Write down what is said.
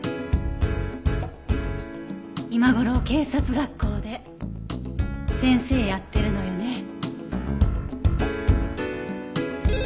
今頃警察学校で先生やってるのよね。